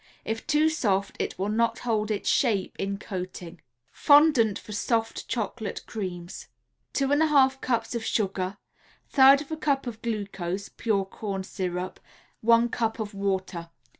If too soft it will not hold its shape in coating. FONDANT FOR SOFT CHOCOLATE CREAMS 2 1/2 cups of sugar, 1/3 a cup of glucose (pure corn syrup), 1 cup of water.